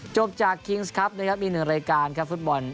จบจากคิงส์ครับนะครับมีหนึ่งรายการครับฟุตบอล